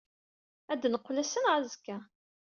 Ad d-neqqel ass-a neɣ azekka.